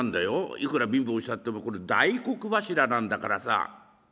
いくら貧乏したってこれ大黒柱なんだからさ」。